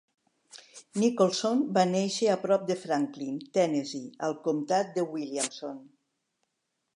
Nicholson va néixer prop de Franklin, Tennessee, al comtat de Williamson.